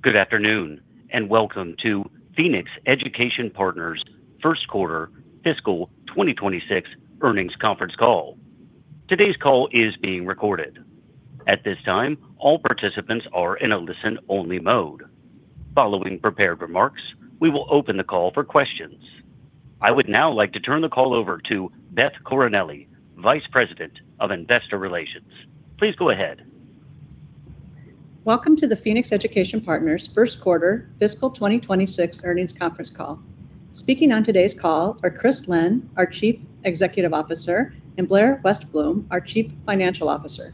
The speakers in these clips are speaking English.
Good afternoon and welcome to Phoenix Education Partners First Quarter Fiscal 2026 Earnings Conference Call. Today's call is being recorded. At this time, all participants are in a listen-only mode. Following prepared remarks, we will open the call for questions. I would now like to turn the call over to Beth Coronelli, Vice President of Investor Relations. Please go ahead. Welcome to the Phoenix Education Partners First Quarter Fiscal 2026 Earnings Conference Call. Speaking on today's call are Chris Lynne, our Chief Executive Officer, and Blair Westbloom, our Chief Financial Officer.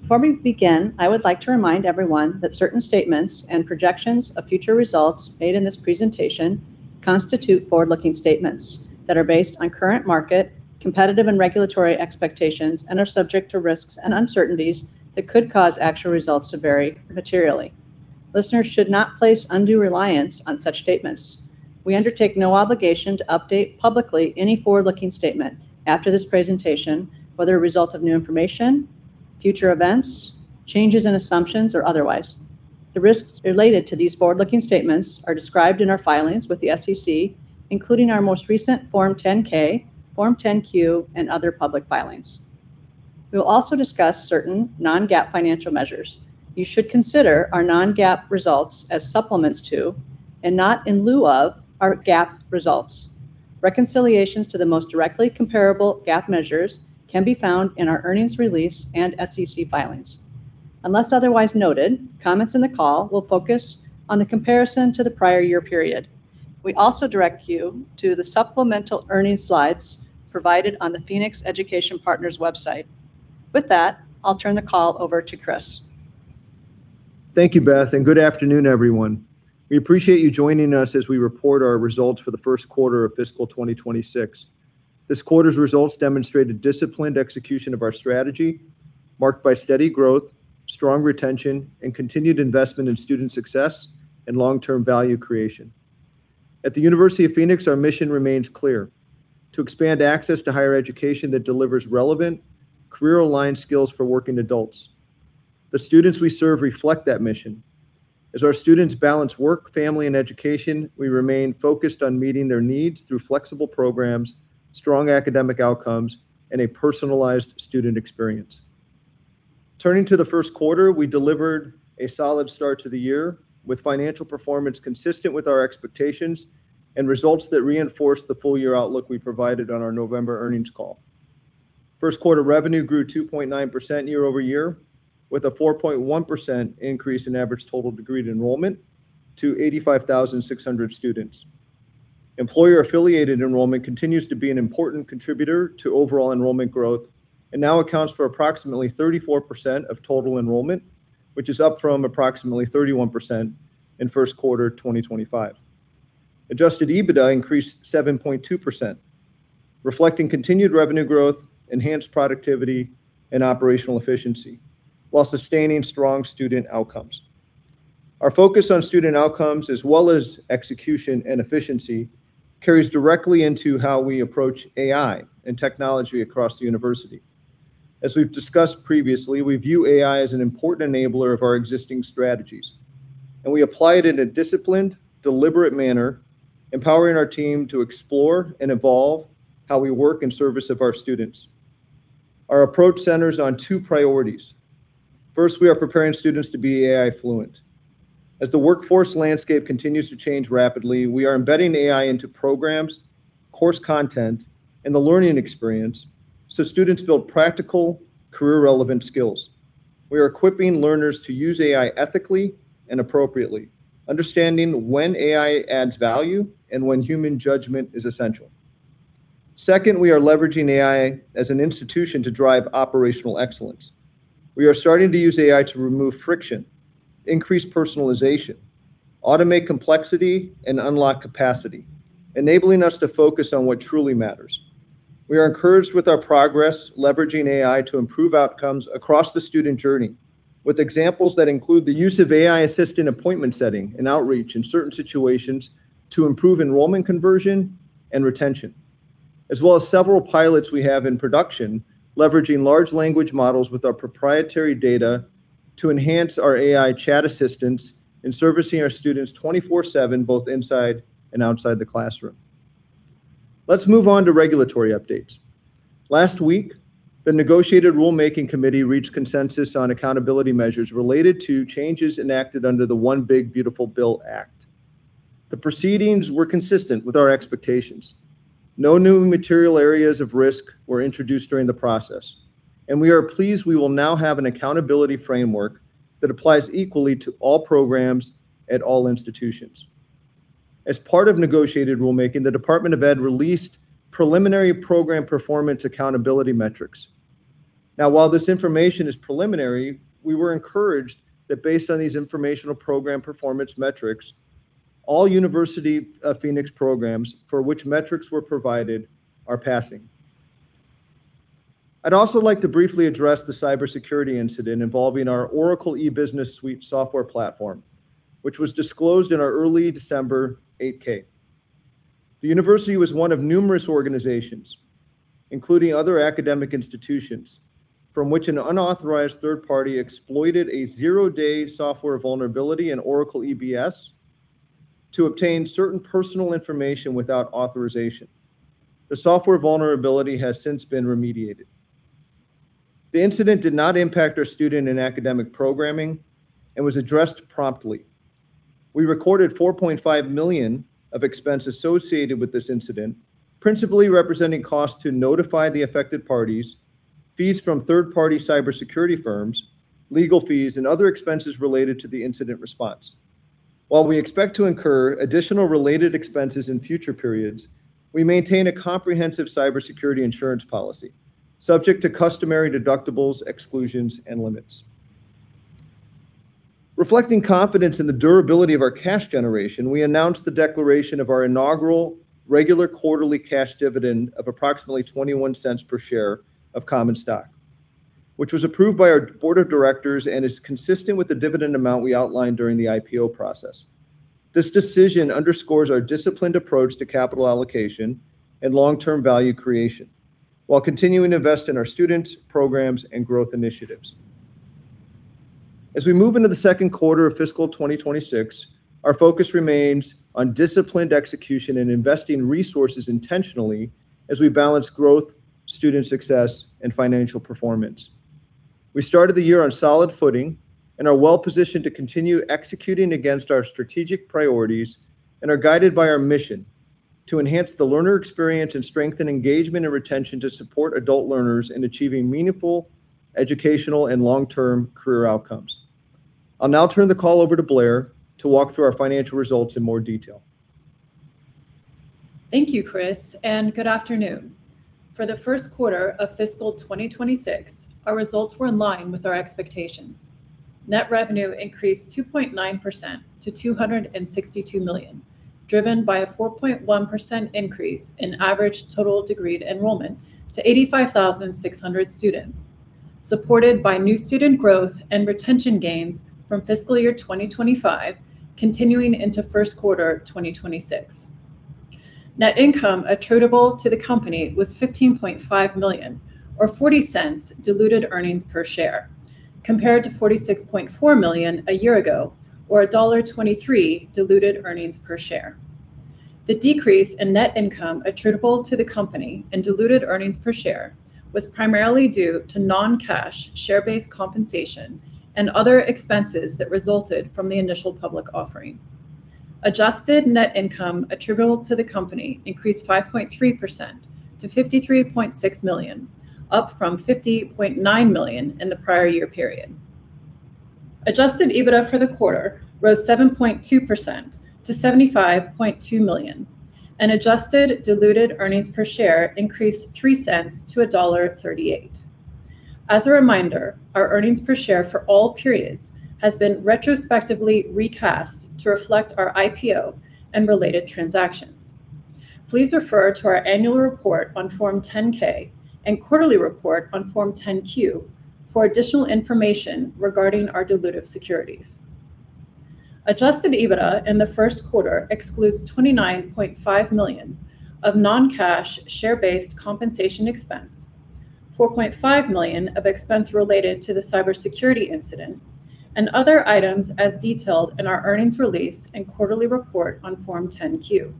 Before we begin, I would like to remind everyone that certain statements and projections of future results made in this presentation constitute forward-looking statements that are based on current market, competitive and regulatory expectations, and are subject to risks and uncertainties that could cause actual results to vary materially. Listeners should not place undue reliance on such statements. We undertake no obligation to update publicly any forward-looking statement after this presentation, whether a result of new information, future events, changes in assumptions, or otherwise. The risks related to these forward-looking statements are described in our filings with the SEC, including our most recent Form 10-K, Form 10-Q, and other public filings. We will also discuss certain non-GAAP financial measures. You should consider our non-GAAP results as supplements to, and not in lieu of, our GAAP results. Reconciliations to the most directly comparable GAAP measures can be found in our earnings release and SEC filings. Unless otherwise noted, comments in the call will focus on the comparison to the prior year period. We also direct you to the supplemental earnings slides provided on the Phoenix Education Partners website. With that, I'll turn the call over to Chris. Thank you, Beth, and good afternoon, everyone. We appreciate you joining us as we report our results for the first quarter of fiscal 2026. This quarter's results demonstrate a disciplined execution of our strategy, marked by steady growth, strong retention, and continued investment in student success and long-term value creation. At the University of Phoenix, our mission remains clear: to expand access to higher education that delivers relevant, career-aligned skills for working adults. The students we serve reflect that mission. As our students balance work, family, and education, we remain focused on meeting their needs through flexible programs, strong academic outcomes, and a personalized student experience. Turning to the first quarter, we delivered a solid start to the year with financial performance consistent with our expectations and results that reinforced the full-year outlook we provided on our November earnings call. First quarter revenue grew 2.9% year-over-year, with a 4.1% increase in average total degree enrollment to 85,600 students. Employer-affiliated enrollment continues to be an important contributor to overall enrollment growth and now accounts for approximately 34% of total enrollment, which is up from approximately 31% in first quarter 2025. Adjusted EBITDA increased 7.2%, reflecting continued revenue growth, enhanced productivity, and operational efficiency, while sustaining strong student outcomes. Our focus on student outcomes, as well as execution and efficiency, carries directly into how we approach AI and technology across the university. As we've discussed previously, we view AI as an important enabler of our existing strategies, and we apply it in a disciplined, deliberate manner, empowering our team to explore and evolve how we work in service of our students. Our approach centers on two priorities. First, we are preparing students to be AI-fluent. As the workforce landscape continues to change rapidly, we are embedding AI into programs, course content, and the learning experience so students build practical, career-relevant skills. We are equipping learners to use AI ethically and appropriately, understanding when AI adds value and when human judgment is essential. Second, we are leveraging AI as an institution to drive operational excellence. We are starting to use AI to remove friction, increase personalization, automate complexity, and unlock capacity, enabling us to focus on what truly matters. We are encouraged with our progress, leveraging AI to improve outcomes across the student journey, with examples that include the use of AI-assisted appointment setting and outreach in certain situations to improve enrollment conversion and retention, as well as several pilots we have in production leveraging large language models with our proprietary data to enhance our AI chat assistance in servicing our students 24/7, both inside and outside the classroom. Let's move on to regulatory updates. Last week, the Negotiated Rulemaking Committee reached consensus on accountability measures related to changes enacted under the One Big Beautiful Bill Act. The proceedings were consistent with our expectations. No new material areas of risk were introduced during the process, and we are pleased we will now have an accountability framework that applies equally to all programs at all institutions. As part of Negotiated Rulemaking, the Department of Ed released preliminary program performance accountability metrics. Now, while this information is preliminary, we were encouraged that based on these informational program performance metrics, all University of Phoenix programs for which metrics were provided are passing. I'd also like to briefly address the cybersecurity incident involving our Oracle E-Business Suite software platform, which was disclosed in our early December 8-K. The university was one of numerous organizations, including other academic institutions, from which an unauthorized third party exploited a zero-day software vulnerability in Oracle EBS to obtain certain personal information without authorization. The software vulnerability has since been remediated. The incident did not impact our student and academic programming and was addressed promptly. We recorded $4.5 million of expenses associated with this incident, principally representing costs to notify the affected parties, fees from third-party cybersecurity firms, legal fees, and other expenses related to the incident response. While we expect to incur additional related expenses in future periods, we maintain a comprehensive cybersecurity insurance policy, subject to customary deductibles, exclusions, and limits. Reflecting confidence in the durability of our cash generation, we announced the declaration of our inaugural regular quarterly cash dividend of approximately $0.21 per share of common stock, which was approved by our board of directors and is consistent with the dividend amount we outlined during the IPO process. This decision underscores our disciplined approach to capital allocation and long-term value creation, while continuing to invest in our students, programs, and growth initiatives. As we move into the second quarter of fiscal 2026, our focus remains on disciplined execution and investing resources intentionally as we balance growth, student success, and financial performance. We started the year on solid footing and are well-positioned to continue executing against our strategic priorities and are guided by our mission to enhance the learner experience and strengthen engagement and retention to support adult learners in achieving meaningful educational and long-term career outcomes. I'll now turn the call over to Blair to walk through our financial results in more detail. Thank you, Chris, and good afternoon. For the first quarter of fiscal 2026, our results were in line with our expectations. Net revenue increased 2.9% to $262 million, driven by a 4.1% increase in average total degree enrollment to 85,600 students, supported by new student growth and retention gains from fiscal year 2025 continuing into first quarter 2026. Net income attributable to the company was $15.5 million, or $0.40 diluted earnings per share, compared to $46.4 million a year ago, or $1.23 diluted earnings per share. The decrease in net income attributable to the company and diluted earnings per share was primarily due to non-cash share-based compensation and other expenses that resulted from the initial public offering. Adjusted net income attributable to the company increased 5.3% to $53.6 million, up from $50.9 million in the prior year period. Adjusted EBITDA for the quarter rose 7.2% to $75.2 million, and adjusted diluted earnings per share increased $0.03-$1.38. As a reminder, our earnings per share for all periods has been retrospectively recast to reflect our IPO and related transactions. Please refer to our annual report on Form 10-K and quarterly report on Form 10-Q for additional information regarding our dilutive securities. Adjusted EBITDA in the first quarter excludes $29.5 million of non-cash share-based compensation expense, $4.5 million of expense related to the cybersecurity incident, and other items as detailed in our earnings release and quarterly report on Form 10-Q.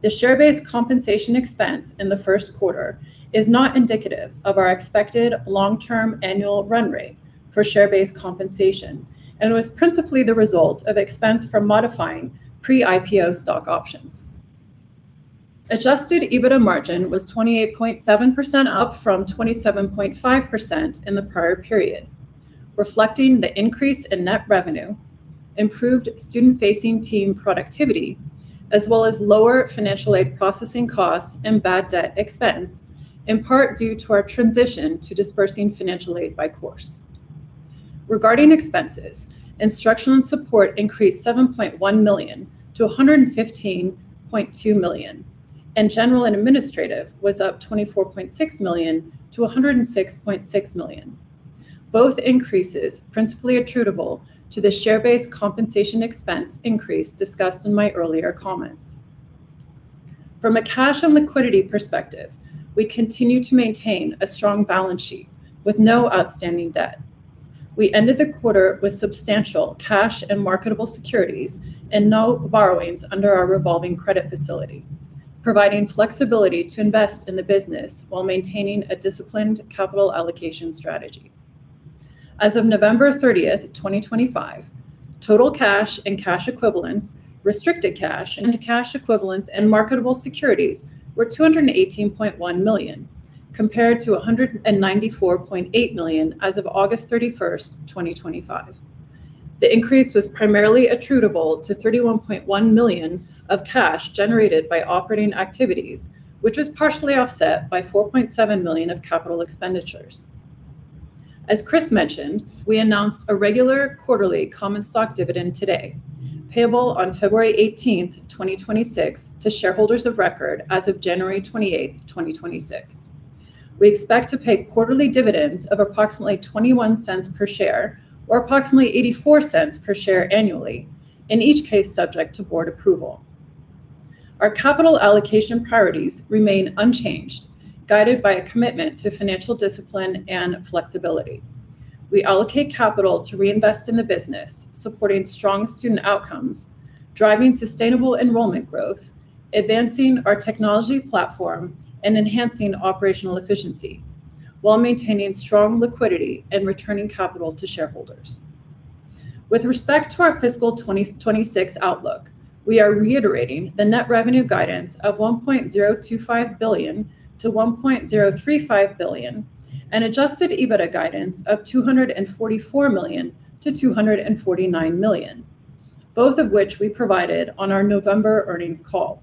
The share-based compensation expense in the first quarter is not indicative of our expected long-term annual run rate for share-based compensation and was principally the result of expense from modifying pre-IPO stock options. Adjusted EBITDA margin was 28.7% up from 27.5% in the prior period, reflecting the increase in net revenue, improved student-facing team productivity, as well as lower financial aid processing costs and bad debt expense, in part due to our transition to disbursing financial aid by course. Regarding expenses, instructional support increased $7.1 million-$115.2 million, and general and administrative was up $24.6 million- $106.6 million. Both increases principally attributable to the share-based compensation expense increase discussed in my earlier comments. From a cash and liquidity perspective, we continue to maintain a strong balance sheet with no outstanding debt. We ended the quarter with substantial cash and marketable securities and no borrowings under our revolving credit facility, providing flexibility to invest in the business while maintaining a disciplined capital allocation strategy. As of November 30, 2025, total cash and cash equivalents, restricted cash and cash equivalents, and marketable securities were $218.1 million, compared to $194.8 million as of August 31, 2025. The increase was primarily attributable to $31.1 million of cash generated by operating activities, which was partially offset by $4.7 million of capital expenditures. As Chris mentioned, we announced a regular quarterly common stock dividend today, payable on February 18, 2026, to shareholders of record as of January 28, 2026. We expect to pay quarterly dividends of approximately $0.21 per share or approximately $0.84 per share annually, in each case subject to board approval. Our capital allocation priorities remain unchanged, guided by a commitment to financial discipline and flexibility. We allocate capital to reinvest in the business, supporting strong student outcomes, driving sustainable enrollment growth, advancing our technology platform, and enhancing operational efficiency while maintaining strong liquidity and returning capital to shareholders. With respect to our fiscal 2026 outlook, we are reiterating the net revenue guidance of $1.025 billion-$1.035 billion and adjusted EBITDA guidance of $244 million-$249 million, both of which we provided on our November earnings call.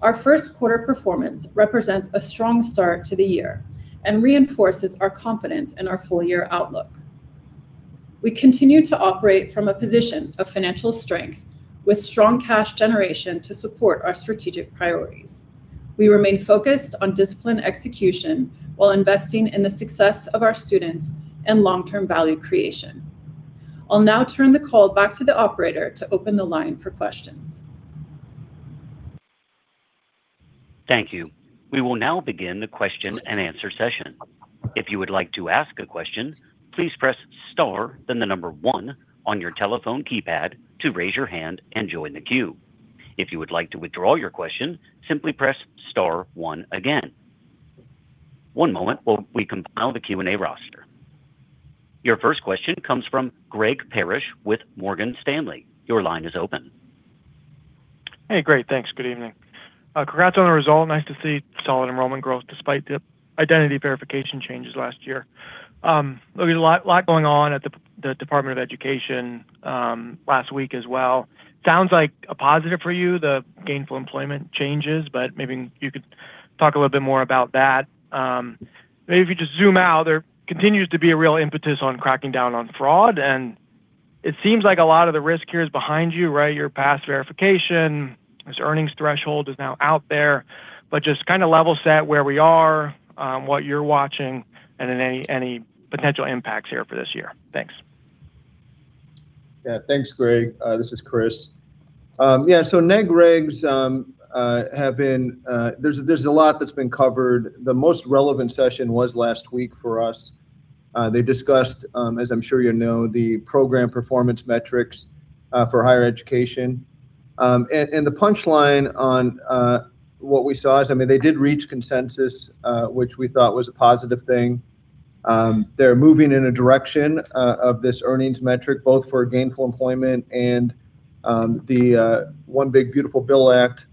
Our first quarter performance represents a strong start to the year and reinforces our confidence in our full-year outlook. We continue to operate from a position of financial strength with strong cash generation to support our strategic priorities. We remain focused on disciplined execution while investing in the success of our students and long-term value creation. I'll now turn the call back to the operator to open the line for questions. Thank you. We will now begin the question and answer session. If you would like to ask a question, please press Star, then the number one on your telephone keypad to raise your hand and join the queue. If you would like to withdraw your question, simply press Star one again. One moment while we compile the Q&A roster. Your first question comes from Greg Parrish with Morgan Stanley. Your line is open. Hey, Great. Thanks. Good evening. Congrats on the result. Nice to see solid enrollment growth despite the identity verification changes last year. There was a lot going on at the Department of Education last week as well. Sounds like a positive for you, the gainful employment changes, but maybe you could talk a little bit more about that. Maybe if you just zoom out, there continues to be a real impetus on cracking down on fraud, and it seems like a lot of the risk here is behind you, right? Your past verification, this earnings threshold is now out there. But just kind of level set where we are, what you're watching, and any potential impacts here for this year. Thanks. Yeah, thanks, Greg. This is Chris. Yeah, so Neg Regs have been. There's a lot that's been covered. The most relevant session was last week for us. They discussed, as I'm sure you know, the program performance metrics for higher education. And the punchline on what we saw is, I mean, they did reach consensus, which we thought was a positive thing. They're moving in a direction of this earnings metric, both for gainful employment and the One Big, Beautiful Bill Act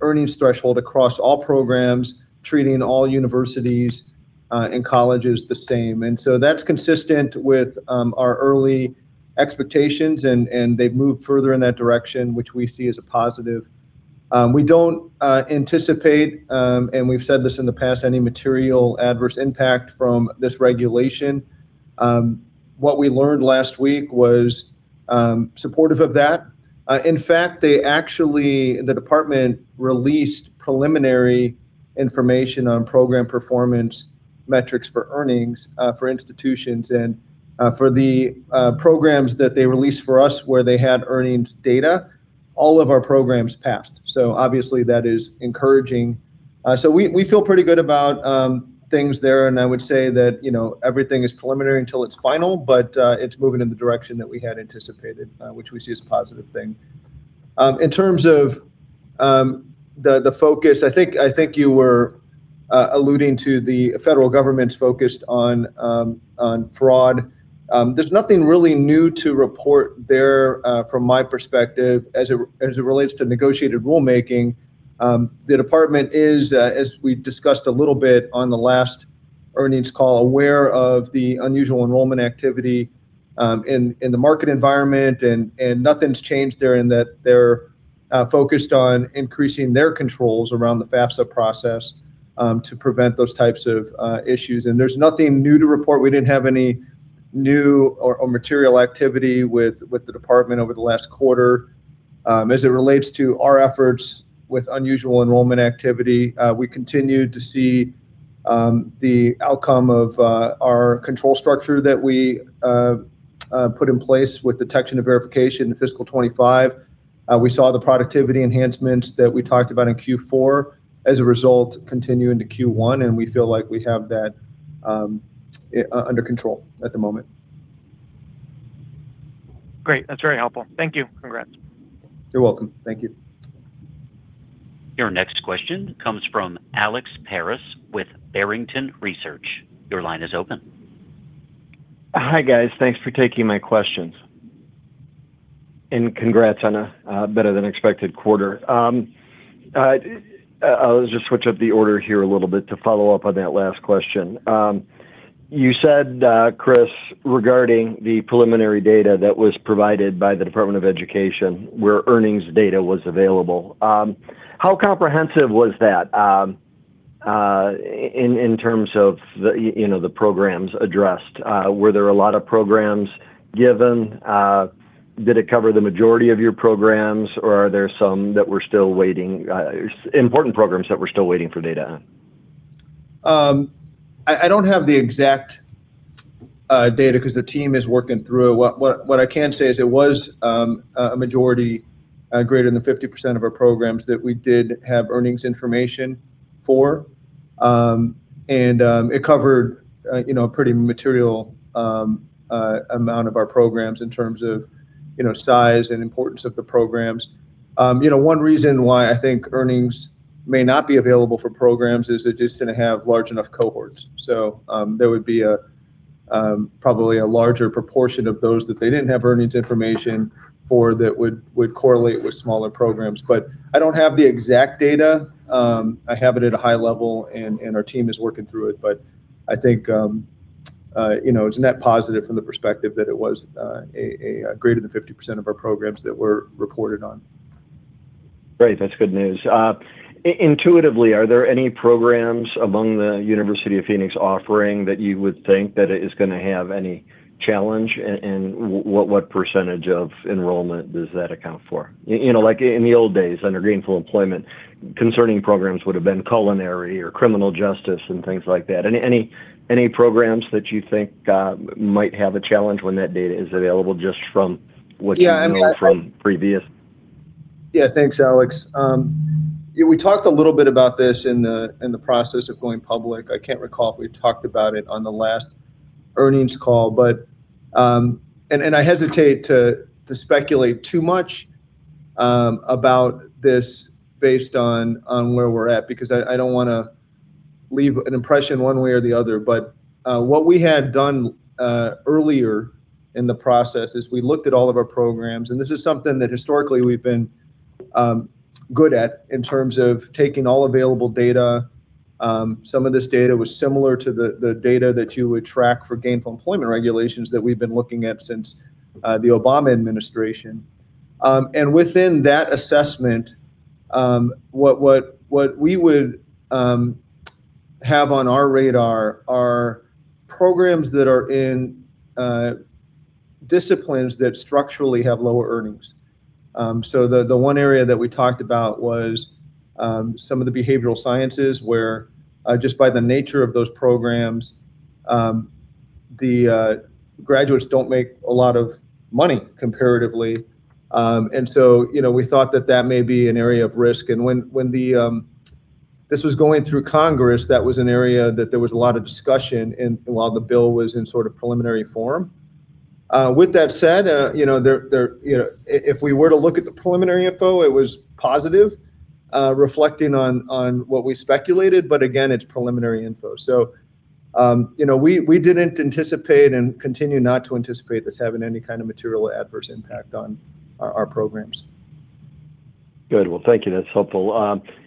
earnings threshold across all programs, treating all universities and colleges the same. And so that's consistent with our early expectations, and they've moved further in that direction, which we see as a positive. We don't anticipate, and we've said this in the past, any material adverse impact from this regulation. What we learned last week was supportive of that. In fact, they actually, the department released preliminary information on program performance metrics for earnings for institutions, and for the programs that they released for us where they had earnings data, all of our programs passed, so obviously, that is encouraging, so we feel pretty good about things there, and I would say that everything is preliminary until it's final, but it's moving in the direction that we had anticipated, which we see as a positive thing. In terms of the focus, I think you were alluding to the federal government's focus on fraud. There's nothing really new to report there from my perspective as it relates to Negotiated Rulemaking. The department is, as we discussed a little bit on the last earnings call, aware of the unusual enrollment activity in the market environment, and nothing's changed there in that they're focused on increasing their controls around the FAFSA process to prevent those types of issues, and there's nothing new to report. We didn't have any new or material activity with the department over the last quarter. As it relates to our efforts with unusual enrollment activity, we continue to see the outcome of our control structure that we put in place with detection and verification in fiscal 2025. We saw the productivity enhancements that we talked about in Q4 as a result continuing to Q1, and we feel like we have that under control at the moment. Great. That's very helpful. Thank you. Congrats. You're welcome. Thank you. Your next question comes from Alex Paris with Barrington Research. Your line is open. Hi, guys. Thanks for taking my questions, and congrats on a better-than-expected quarter. I'll just switch up the order here a little bit to follow up on that last question. You said, Chris, regarding the preliminary data that was provided by the Department of Education where earnings data was available. How comprehensive was that in terms of the programs addressed? Were there a lot of programs given? Did it cover the majority of your programs, or are there some that were still waiting, important programs that were still waiting for data? I don't have the exact data because the team is working through it. What I can say is it was a majority, greater than 50% of our programs that we did have earnings information for. It covered a pretty material amount of our programs in terms of size and importance of the programs. One reason why I think earnings may not be available for programs is they're just not going to have large enough cohorts. There would be probably a larger proportion of those that they didn't have earnings information for that would correlate with smaller programs. I don't have the exact data. I have it at a high level, and our team is working through it. I think it's net positive from the perspective that it was greater than 50% of our programs that were reported on. Great. That's good news. Intuitively, are there any programs among the University of Phoenix offering that you would think that it is going to have any challenge? And what percentage of enrollment does that account for? Like in the old days under gainful employment, concerning programs would have been culinary or criminal justice and things like that. Any programs that you think might have a challenge when that data is available just from what you know from previous? Yeah, thanks, Alex. We talked a little bit about this in the process of going public. I can't recall if we talked about it on the last earnings call, but I hesitate to speculate too much about this based on where we're at because I don't want to leave an impression one way or the other. But what we had done earlier in the process is we looked at all of our programs, and this is something that historically we've been good at in terms of taking all available data. Some of this data was similar to the data that you would track for gainful employment regulations that we've been looking at since the Obama Administration. And within that assessment, what we would have on our radar are programs that are in disciplines that structurally have lower earnings. So the one area that we talked about was some of the behavioral sciences where just by the nature of those programs, the graduates don't make a lot of money comparatively. And so we thought that that may be an area of risk. And when this was going through Congress, that was an area that there was a lot of discussion while the bill was in sort of preliminary form. With that said, if we were to look at the preliminary info, it was positive, reflecting on what we speculated. But again, it's preliminary info. So we didn't anticipate and continue not to anticipate this having any kind of material adverse impact on our programs. Good. Well, thank you. That's helpful.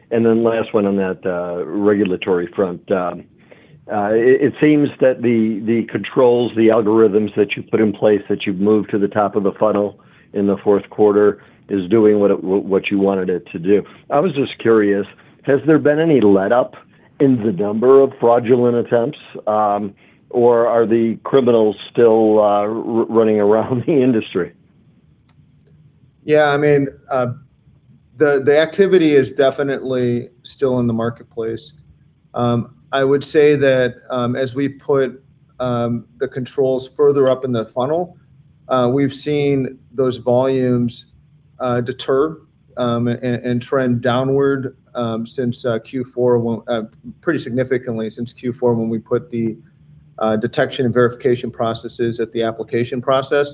And then last one on that regulatory front. It seems that the controls, the algorithms that you put in place that you've moved to the top of the funnel in the fourth quarter is doing what you wanted it to do. I was just curious, has there been any letup in the number of fraudulent attempts, or are the criminals still running around the industry? Yeah, I mean, the activity is definitely still in the marketplace. I would say that as we put the controls further up in the funnel, we've seen those volumes deter and trend downward since Q4, pretty significantly since Q4 when we put the detection and verification processes at the application process.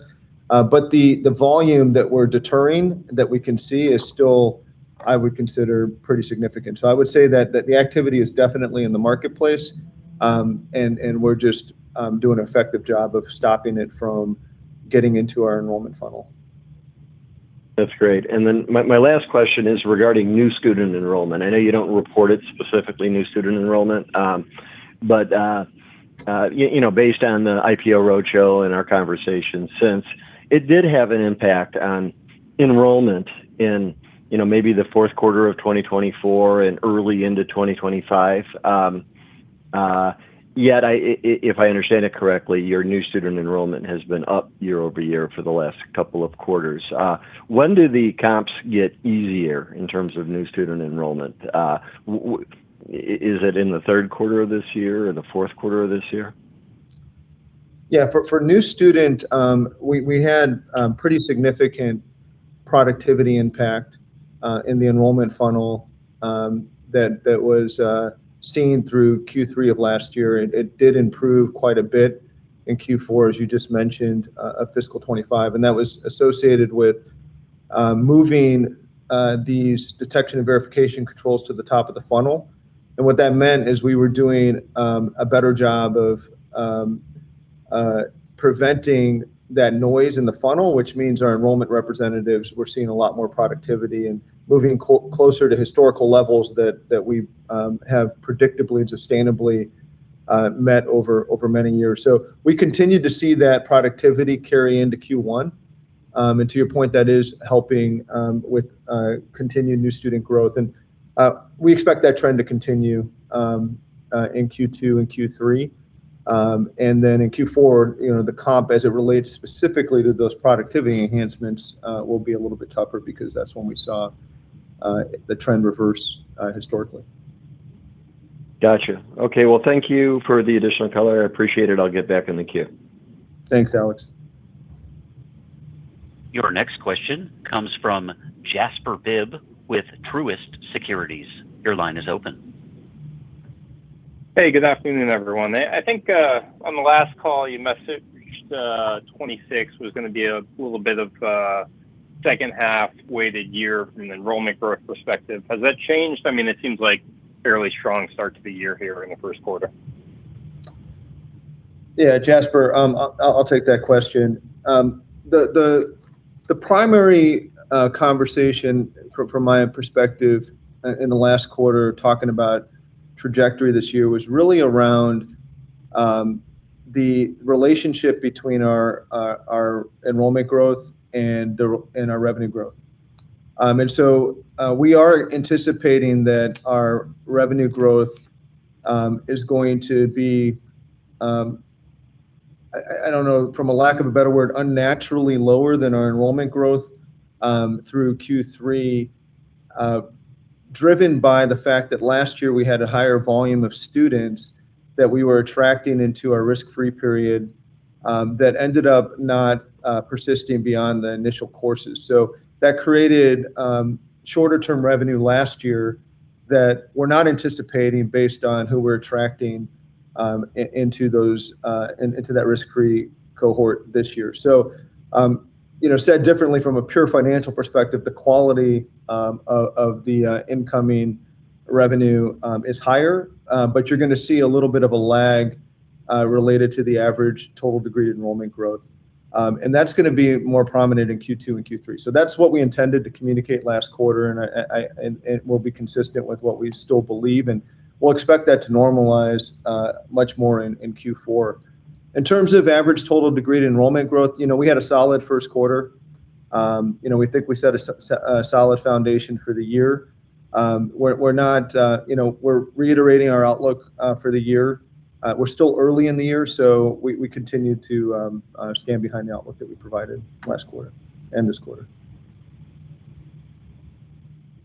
But the volume that we're deterring that we can see is still, I would consider, pretty significant. So I would say that the activity is definitely in the marketplace, and we're just doing an effective job of stopping it from getting into our enrollment funnel. That's great, and then my last question is regarding new student enrollment. I know you don't report it specifically, new student enrollment, but based on the IPO roadshow and our conversation, since it did have an impact on enrollment in maybe the fourth quarter of 2024 and early into 2025, yet, if I understand it correctly, your new student enrollment has been up year over year for the last couple of quarters. When do the comps get easier in terms of new student enrollment? Is it in the third quarter of this year or the fourth quarter of this year? Yeah, for new student, we had pretty significant productivity impact in the enrollment funnel that was seen through Q3 of last year. It did improve quite a bit in Q4, as you just mentioned, of fiscal 2025, and that was associated with moving these detection and verification controls to the top of the funnel. And what that meant is we were doing a better job of preventing that noise in the funnel, which means our enrollment representatives were seeing a lot more productivity and moving closer to historical levels that we have predictably and sustainably met over many years. So we continue to see that productivity carry into Q1. And to your point, that is helping with continued new student growth. And we expect that trend to continue in Q2 and Q3. Then in Q4, the comp as it relates specifically to those productivity enhancements will be a little bit tougher because that's when we saw the trend reverse historically. Gotcha. Okay. Well, thank you for the additional color. I appreciate it. I'll get back in the queue. Thanks, Alex. Your next question comes from Jasper Bibb with Truist Securities. Your line is open. Hey, good afternoon, everyone. I think on the last call, you messaged 26 was going to be a little bit of a second-half weighted year from an enrollment growth perspective. Has that changed? I mean, it seems like fairly strong start to the year here in the first quarter. Yeah, Jasper, I'll take that question. The primary conversation from my perspective in the last quarter talking about trajectory this year was really around the relationship between our enrollment growth and our revenue growth. And so we are anticipating that our revenue growth is going to be, I don't know, from a lack of a better word, unnaturally lower than our enrollment growth through Q3, driven by the fact that last year we had a higher volume of students that we were attracting into our risk-free period that ended up not persisting beyond the initial courses. So that created shorter-term revenue last year that we're not anticipating based on who we're attracting into that risk-free cohort this year. So, said differently, from a pure financial perspective, the quality of the incoming revenue is higher, but you're going to see a little bit of a lag related to the average total degree enrollment growth. And that's going to be more prominent in Q2 and Q3. So that's what we intended to communicate last quarter, and it will be consistent with what we still believe. And we'll expect that to normalize much more in Q4. In terms of average total degree enrollment growth, we had a solid first quarter. We think we set a solid foundation for the year. We're reiterating our outlook for the year. We're still early in the year, so we continue to stand behind the outlook that we provided last quarter and this quarter.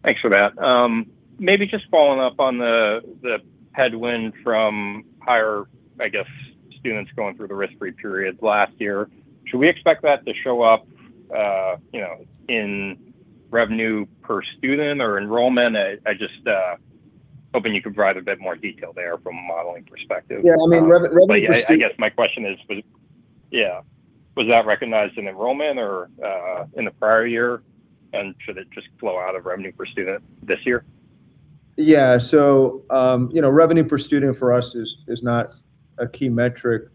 Thanks for that. Maybe just following up on the headwind from higher, I guess, students going through the risk-free period last year. Should we expect that to show up in revenue per student or enrollment? I'm just hoping you could provide a bit more detail there from a modeling perspective. Yeah, I mean, revenue per student. I guess my question is, yeah, was that recognized in enrollment or in the prior year? And should it just flow out of revenue per student this year? Yeah. So revenue per student for us is not a key metric.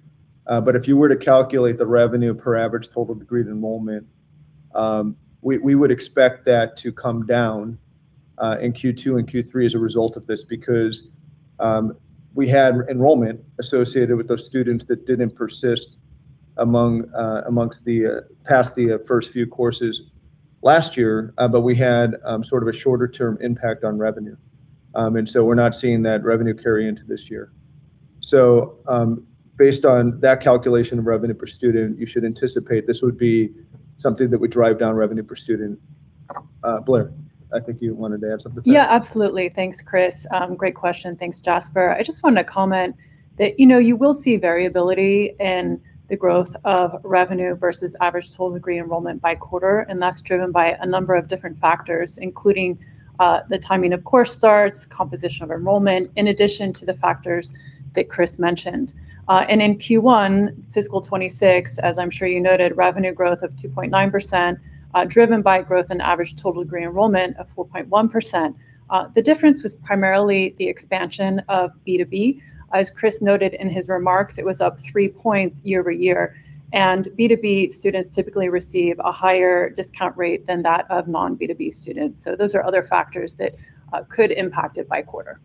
But if you were to calculate the revenue per average total degree of enrollment, we would expect that to come down in Q2 and Q3 as a result of this because we had enrollment associated with those students that didn't persist past the first few courses last year, but we had sort of a shorter-term impact on revenue. And so we're not seeing that revenue carry into this year. So based on that calculation of revenue per student, you should anticipate this would be something that would drive down revenue per student. Blair, I think you wanted to add something. Yeah, absolutely. Thanks, Chris. Great question. Thanks, Jasper. I just wanted to comment that you will see variability in the growth of revenue versus average total degree enrollment by quarter, and that's driven by a number of different factors, including the timing of course starts, composition of enrollment, in addition to the factors that Chris mentioned. In Q1, fiscal 2026, as I'm sure you noted, revenue growth of 2.9%, driven by growth in average total degree enrollment of 4.1%. The difference was primarily the expansion of B2B. As Chris noted in his remarks, it was up three points year over year. B2B students typically receive a higher discount rate than that of non-B2B students. So those are other factors that could impact it by quarter.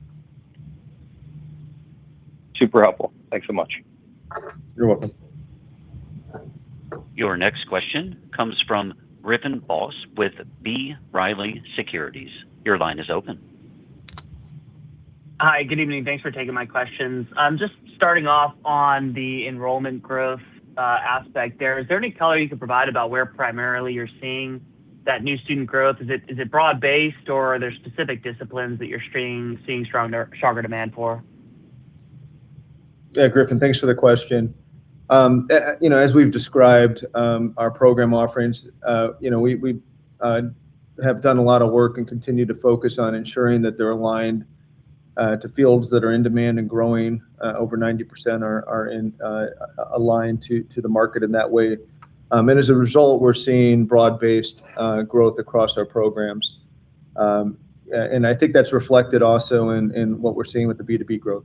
Super helpful. Thanks so much. You're welcome. Your next question comes from Griffin Boss with B. Riley Securities. Your line is open. Hi, good evening. Thanks for taking my questions. Just starting off on the enrollment growth aspect there, is there any color you could provide about where primarily you're seeing that new student growth? Is it broad-based, or are there specific disciplines that you're seeing stronger demand for? Yeah, Griffin, thanks for the question. As we've described our program offerings, we have done a lot of work and continue to focus on ensuring that they're aligned to fields that are in demand and growing. Over 90% are aligned to the market in that way. And as a result, we're seeing broad-based growth across our programs. And I think that's reflected also in what we're seeing with the B2B growth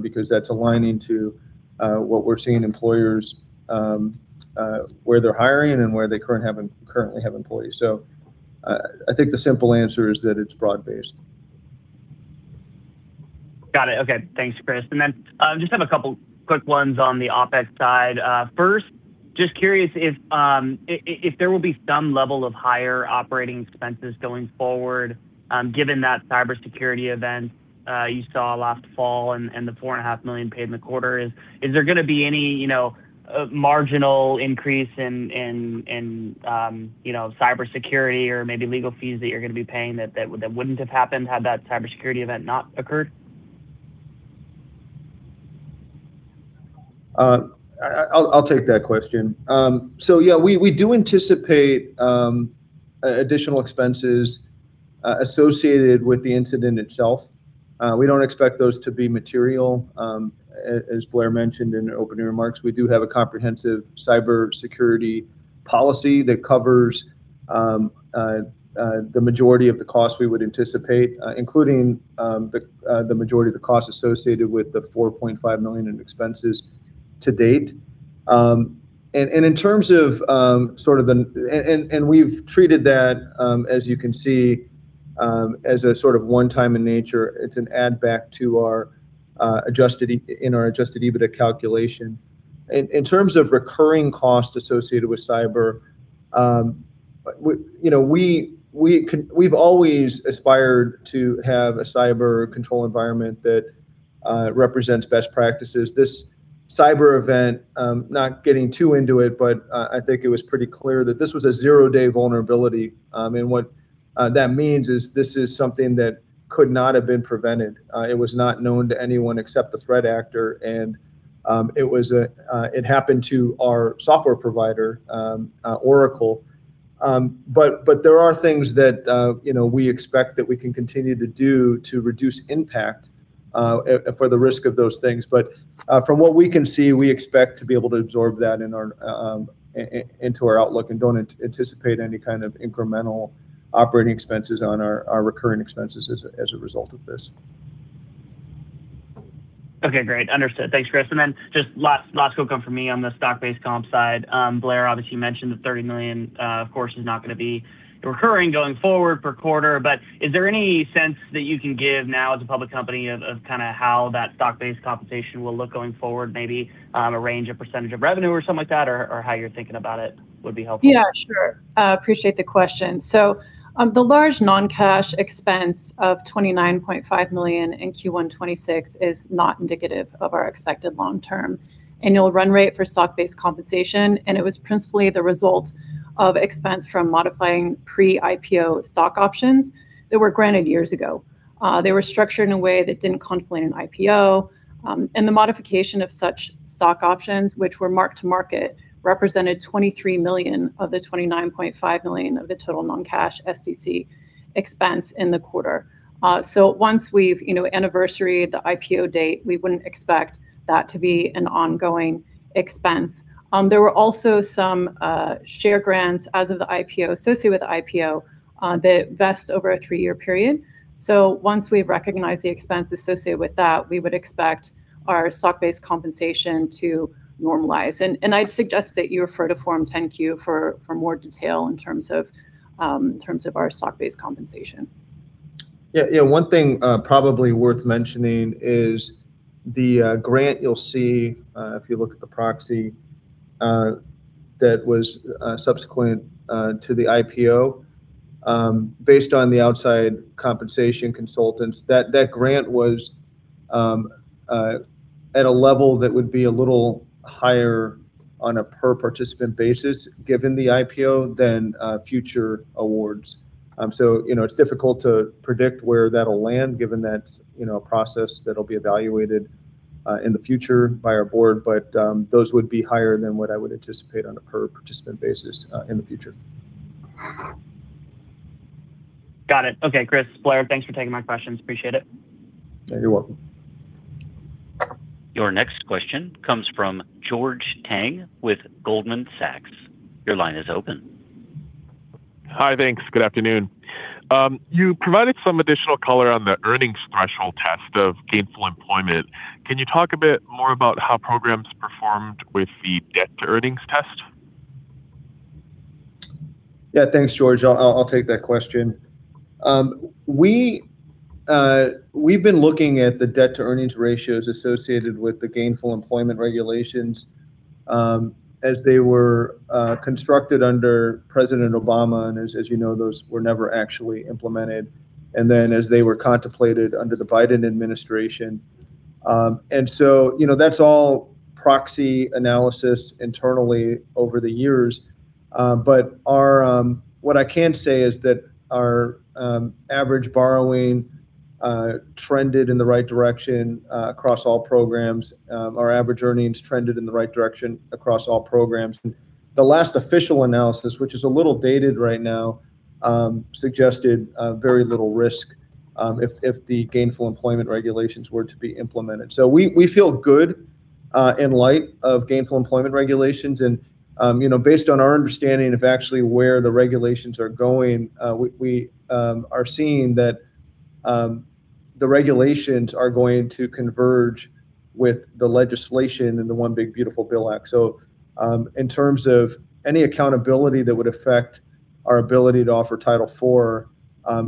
because that's aligning to what we're seeing employers where they're hiring and where they currently have employees. So I think the simple answer is that it's broad-based. Got it. Okay. Thanks, Chris, and then just have a couple quick ones on the OpEx side. First, just curious if there will be some level of higher operating expenses going forward given that cybersecurity event you saw last fall and the $4.5 million paid in the quarter? Is there going to be any marginal increase in cybersecurity or maybe legal fees that you're going to be paying that wouldn't have happened had that cybersecurity event not occurred? I'll take that question. So yeah, we do anticipate additional expenses associated with the incident itself. We don't expect those to be material. As Blair mentioned in her opening remarks, we do have a comprehensive cybersecurity policy that covers the majority of the costs we would anticipate, including the majority of the costs associated with the $4.5 million in expenses to date. And in terms of sort of the—and we've treated that, as you can see, as a sort of one-time in nature. It's an add-back to our adjusted EBITDA calculation. In terms of recurring costs associated with cyber, we've always aspired to have a cyber control environment that represents best practices. This cyber event, not getting too into it, but I think it was pretty clear that this was a zero-day vulnerability. And what that means is this is something that could not have been prevented. It was not known to anyone except the threat actor, and it happened to our software provider, Oracle, but there are things that we expect that we can continue to do to reduce impact for the risk of those things, but from what we can see, we expect to be able to absorb that into our outlook and don't anticipate any kind of incremental operating expenses on our recurring expenses as a result of this. Okay, great. Understood. Thanks, Chris. And then just last quick one from me on the stock-based comp side. Blair, obviously, you mentioned the $30 million, of course, is not going to be recurring going forward per quarter. But is there any sense that you can give now as a public company of kind of how that stock-based compensation will look going forward, maybe a range of percentage of revenue or something like that, or how you're thinking about it would be helpful? Yeah, sure. Appreciate the question. So the large non-cash expense of $29.5 million in Q1 26 is not indicative of our expected long-term annual run rate for stock-based compensation, and it was principally the result of expense from modifying pre-IPO stock options that were granted years ago. They were structured in a way that didn't contemplate an IPO, and the modification of such stock options, which were marked to market, represented $23 million of the $29.5 million of the total non-cash SBC expense in the quarter. So once we've anniversary the IPO date, we wouldn't expect that to be an ongoing expense. There were also some share grants as of the IPO associated with the IPO that vest over a three-year period, so once we recognize the expenses associated with that, we would expect our stock-based compensation to normalize. I'd suggest that you refer to Form 10-Q for more detail in terms of our stock-based compensation. Yeah. One thing probably worth mentioning is the grant you'll see if you look at the proxy that was subsequent to the IPO based on the outside compensation consultants. That grant was at a level that would be a little higher on a per-participant basis given the IPO than future awards. So it's difficult to predict where that'll land given that process that'll be evaluated in the future by our board. But those would be higher than what I would anticipate on a per-participant basis in the future. Got it. Okay, Chris. Blair, thanks for taking my questions. Appreciate it. You're welcome. Your next question comes from George Tong with Goldman Sachs. Your line is open. Hi, thanks. Good afternoon. You provided some additional color on the earnings threshold test of gainful employment. Can you talk a bit more about how programs performed with the debt-to-earnings test? Yeah, thanks, George. I'll take that question. We've been looking at the debt-to-earnings ratios associated with the gainful employment regulations as they were constructed under President Obama, and as you know, those were never actually implemented, and then as they were contemplated under the Biden administration, and so that's all proxy analysis internally over the years, but what I can say is that our average borrowing trended in the right direction across all programs. Our average earnings trended in the right direction across all programs, and the last official analysis, which is a little dated right now, suggested very little risk if the gainful employment regulations were to be implemented, so we feel good in light of gainful employment regulations. Based on our understanding of actually where the regulations are going, we are seeing that the regulations are going to converge with the legislation and the One Big Beautiful Bill Act. In terms of any accountability that would affect our ability to offer Title IV,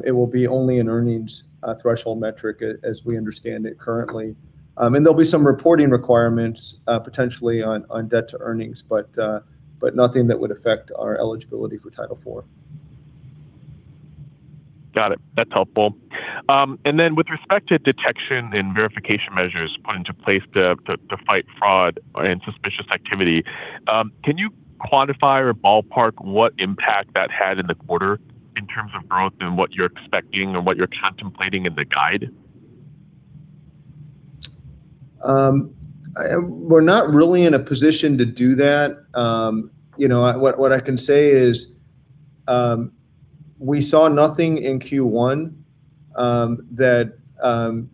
it will be only an earnings threshold metric as we understand it currently. There'll be some reporting requirements potentially on debt-to-earnings, but nothing that would affect our eligibility for Title IV. Got it. That's helpful. And then with respect to detection and verification measures put into place to fight fraud and suspicious activity, can you quantify or ballpark what impact that had in the quarter in terms of growth and what you're expecting and what you're contemplating in the guide? We're not really in a position to do that. What I can say is we saw nothing in Q1 that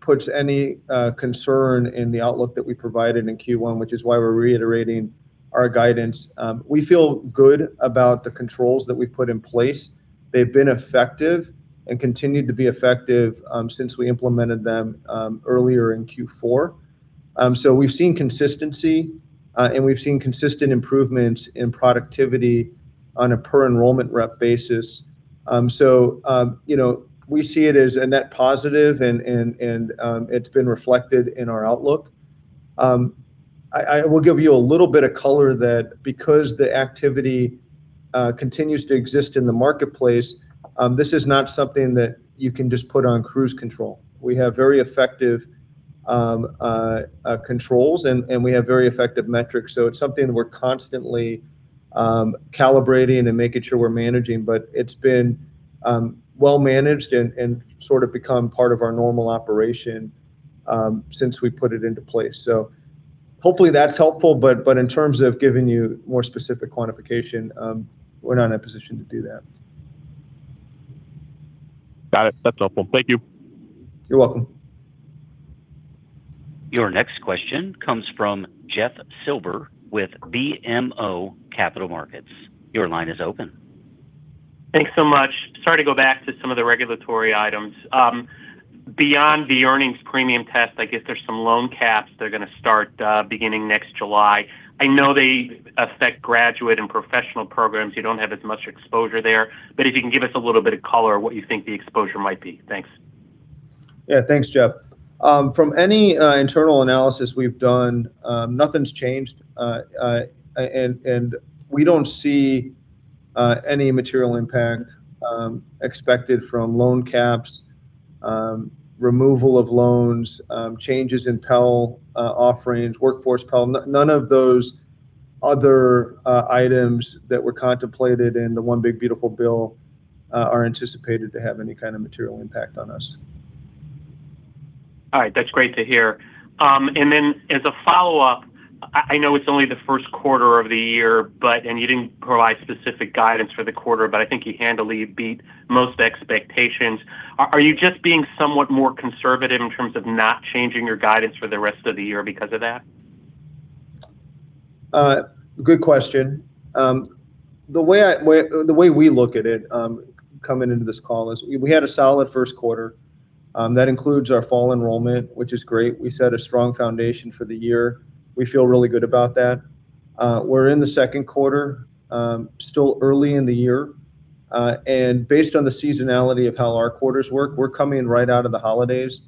puts any concern in the outlook that we provided in Q1, which is why we're reiterating our guidance. We feel good about the controls that we've put in place. They've been effective and continue to be effective since we implemented them earlier in Q4. So we've seen consistency, and we've seen consistent improvements in productivity on a per-enrollment rep basis. So we see it as a net positive, and it's been reflected in our outlook. I will give you a little bit of color that because the activity continues to exist in the marketplace, this is not something that you can just put on cruise control. We have very effective controls, and we have very effective metrics. So it's something that we're constantly calibrating and making sure we're managing. But it's been well managed and sort of become part of our normal operation since we put it into place. So hopefully that's helpful. But in terms of giving you more specific quantification, we're not in a position to do that. Got it. That's helpful. Thank you. You're welcome. Your next question comes from Jeff Silber with BMO Capital Markets. Your line is open. Thanks so much. Sorry to go back to some of the regulatory items. Beyond the earnings premium test, I guess there's some loan caps they're going to start beginning next July. I know they affect graduate and professional programs. You don't have as much exposure there. But if you can give us a little bit of color of what you think the exposure might be? Thanks. Yeah, thanks, Jeff. From any internal analysis we've done, nothing's changed. And we don't see any material impact expected from loan caps, removal of loans, changes in Pell offerings, workforce Pell. None of those other items that were contemplated in the One Big, Beautiful Bill are anticipated to have any kind of material impact on us. All right. That's great to hear. And then as a follow-up, I know it's only the first quarter of the year, and you didn't provide specific guidance for the quarter, but I think you handily beat most expectations. Are you just being somewhat more conservative in terms of not changing your guidance for the rest of the year because of that? Good question. The way we look at it coming into this call is we had a solid first quarter. That includes our fall enrollment, which is great. We set a strong foundation for the year. We feel really good about that. We're in the second quarter, still early in the year. And based on the seasonality of how our quarters work, we're coming right out of the holidays,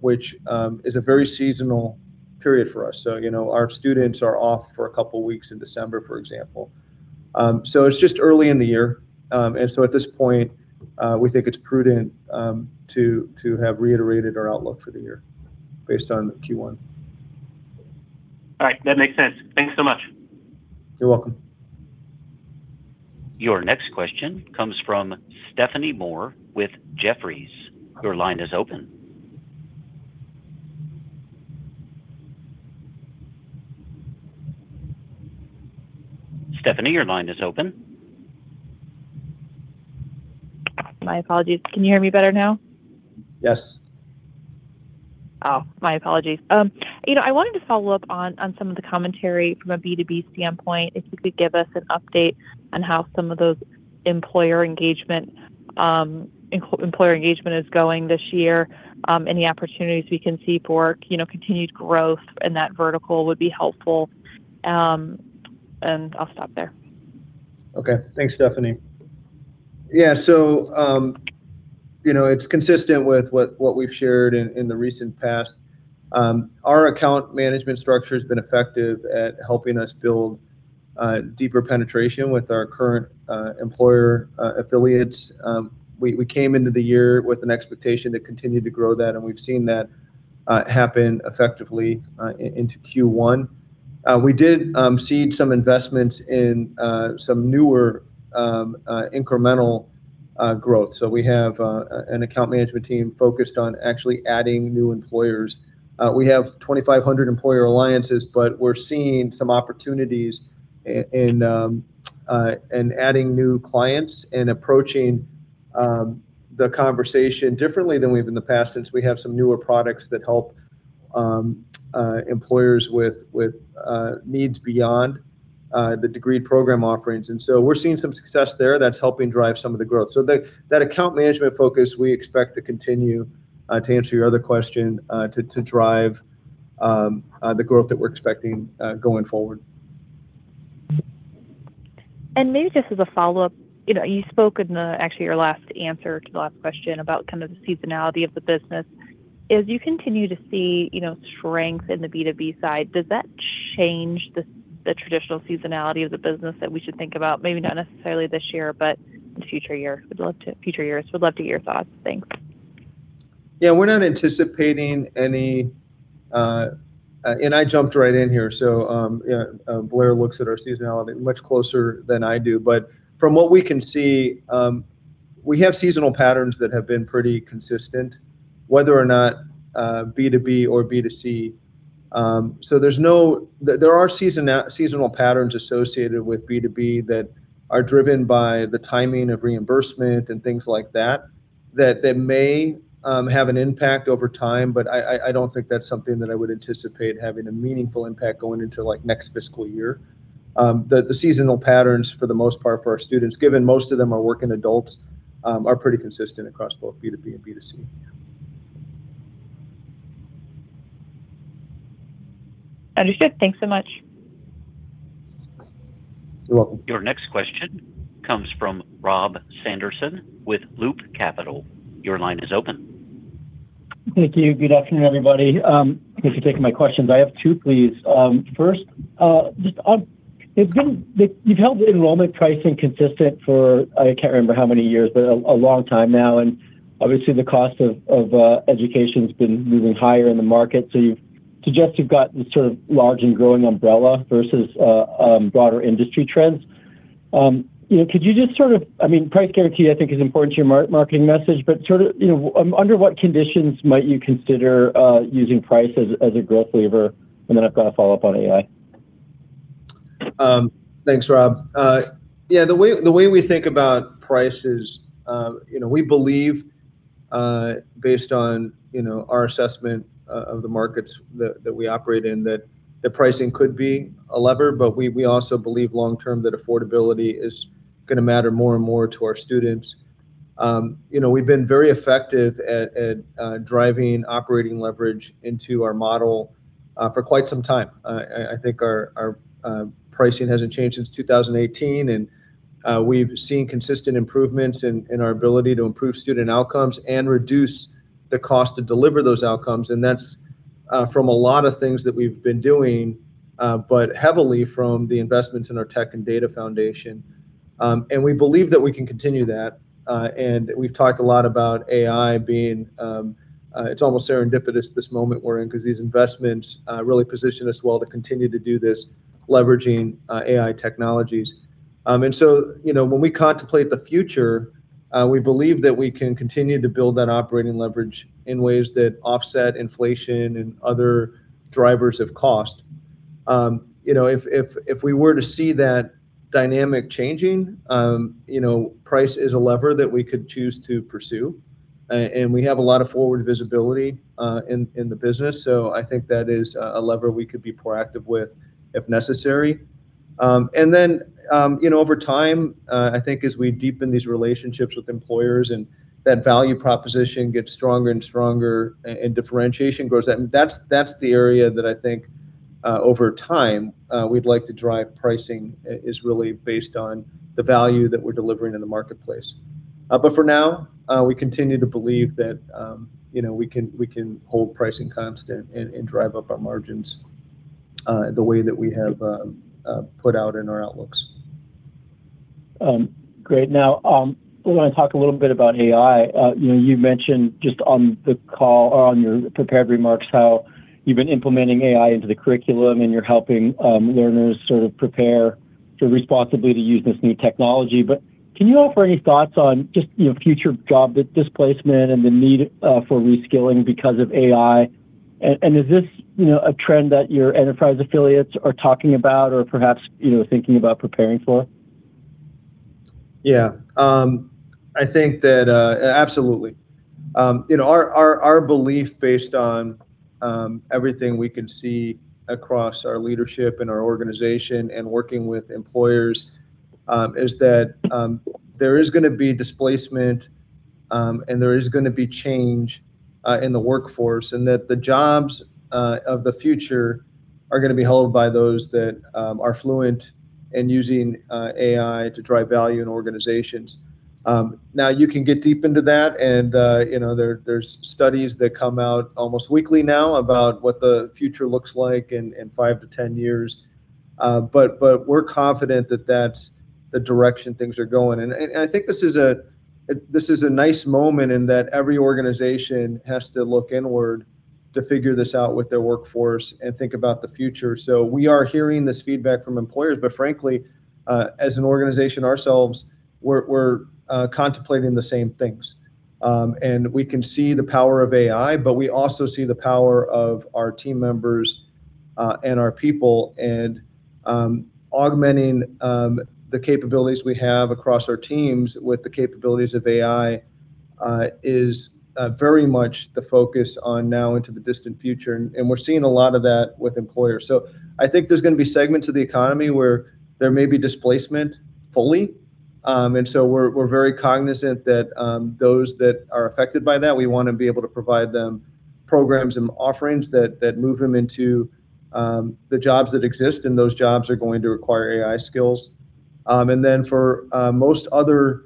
which is a very seasonal period for us. So our students are off for a couple of weeks in December, for example. So it's just early in the year. And so at this point, we think it's prudent to have reiterated our outlook for the year based on Q1. All right. That makes sense. Thanks so much. You're welcome. Your next question comes from Stephanie Moore with Jefferies. Your line is open. Stephanie, your line is open. My apologies. Can you hear me better now? Yes. Oh, my apologies. I wanted to follow up on some of the commentary from a B2B standpoint. If you could give us an update on how some of those employer engagement is going this year, any opportunities we can see for continued growth in that vertical would be helpful, and I'll stop there. Okay. Thanks, Stephanie. Yeah. So it's consistent with what we've shared in the recent past. Our account management structure has been effective at helping us build deeper penetration with our current employer affiliates. We came into the year with an expectation to continue to grow that, and we've seen that happen effectively into Q1. We did see some investments in some newer incremental growth. So we have an account management team focused on actually adding new employers. We have 2,500 employer alliances, but we're seeing some opportunities in adding new clients and approaching the conversation differently than we've in the past since we have some newer products that help employers with needs beyond the degree program offerings. And so we're seeing some success there. That's helping drive some of the growth. So that account management focus, we expect to continue to answer your other question to drive the growth that we're expecting going forward. And maybe just as a follow-up, you spoke in actually your last answer to the last question about kind of the seasonality of the business. As you continue to see strength in the B2B side, does that change the traditional seasonality of the business that we should think about? Maybe not necessarily this year, but in future years. We'd love to hear your thoughts. Thanks. Yeah. We're not anticipating any, and I jumped right in here. So Blair looks at our seasonality much closer than I do. But from what we can see, we have seasonal patterns that have been pretty consistent, whether or not B2B or B2C. So there are seasonal patterns associated with B2B that are driven by the timing of reimbursement and things like that that may have an impact over time. But I don't think that's something that I would anticipate having a meaningful impact going into next fiscal year. The seasonal patterns, for the most part, for our students, given most of them are working adults, are pretty consistent across both B2B and B2C. Understood. Thanks so much. You're welcome. Your next question comes from Rob Sanderson with Loop Capital. Your line is open. Thank you. Good afternoon, everybody. Thank you for taking my questions. I have two, please. First, you've held enrollment pricing consistent for - I can't remember how many years, but a long time now. And obviously, the cost of education has been moving higher in the market. So you suggest you've got this sort of large and growing umbrella versus broader industry trends. Could you just sort of - I mean, price guarantee, I think, is important to your marketing message. But sort of under what conditions might you consider using price as a growth lever? And then I've got to follow up on AI. Thanks, Rob. Yeah. The way we think about price is we believe, based on our assessment of the markets that we operate in, that pricing could be a lever. But we also believe long-term that affordability is going to matter more and more to our students. We've been very effective at driving operating leverage into our model for quite some time. I think our pricing hasn't changed since 2018, and we've seen consistent improvements in our ability to improve student outcomes and reduce the cost to deliver those outcomes, and that's from a lot of things that we've been doing, but heavily from the investments in our tech and data foundation, and we believe that we can continue that, and we've talked a lot about AI being. It's almost serendipitous this moment we're in because these investments really position us well to continue to do this, leveraging AI technologies. And so when we contemplate the future, we believe that we can continue to build that operating leverage in ways that offset inflation and other drivers of cost. If we were to see that dynamic changing, price is a lever that we could choose to pursue. And we have a lot of forward visibility in the business. So I think that is a lever we could be proactive with if necessary. And then over time, I think as we deepen these relationships with employers and that value proposition gets stronger and stronger and differentiation grows, that's the area that I think over time we'd like to drive pricing is really based on the value that we're delivering in the marketplace. But for now, we continue to believe that we can hold pricing constant and drive up our margins the way that we have put out in our outlooks. Great. Now, we're going to talk a little bit about AI. You mentioned just on the call or on your prepared remarks how you've been implementing AI into the curriculum and you're helping learners sort of prepare to responsibly use this new technology. But can you offer any thoughts on just future job displacement and the need for reskilling because of AI? And is this a trend that your enterprise affiliates are talking about or perhaps thinking about preparing for? Yeah, I think that absolutely. Our belief, based on everything we can see across our leadership and our organization and working with employers, is that there is going to be displacement and there is going to be change in the workforce and that the jobs of the future are going to be held by those that are fluent in using AI to drive value in organizations. Now, you can get deep into that, and there's studies that come out almost weekly now about what the future looks like in five to 10 years. But we're confident that that's the direction things are going, and I think this is a nice moment in that every organization has to look inward to figure this out with their workforce and think about the future. So we are hearing this feedback from employers, but frankly, as an organization ourselves, we're contemplating the same things. And we can see the power of AI, but we also see the power of our team members and our people. And augmenting the capabilities we have across our teams with the capabilities of AI is very much the focus on now into the distant future. And we're seeing a lot of that with employers. So I think there's going to be segments of the economy where there may be displacement fully. And so we're very cognizant that those that are affected by that, we want to be able to provide them programs and offerings that move them into the jobs that exist. And those jobs are going to require AI skills. For most other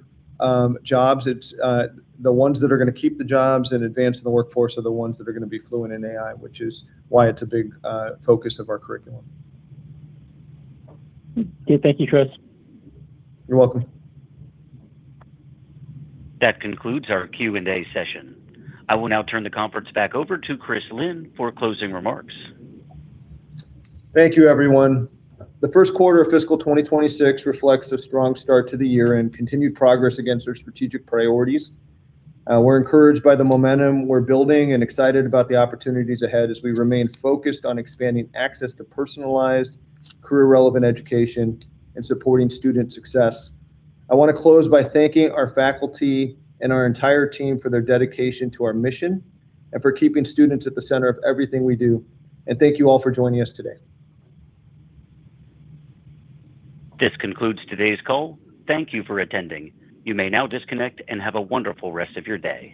jobs, the ones that are going to keep the jobs and advance in the workforce are the ones that are going to be fluent in AI, which is why it's a big focus of our curriculum. Thank you, Chris. You're welcome. That concludes our Q&A session. I will now turn the conference back over to Chris Lynne for closing remarks. Thank you, everyone. The first quarter of fiscal 2026 reflects a strong start to the year and continued progress against our strategic priorities. We're encouraged by the momentum we're building and excited about the opportunities ahead as we remain focused on expanding access to personalized, career-relevant education and supporting student success. I want to close by thanking our faculty and our entire team for their dedication to our mission and for keeping students at the center of everything we do, and thank you all for joining us today. This concludes today's call. Thank you for attending. You may now disconnect and have a wonderful rest of your day.